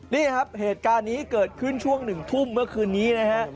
นี่ครับเหตุการณ์นี้เกิดขึ้นช่วง๑ทุ่มเมื่อคืนนี้นะฮะ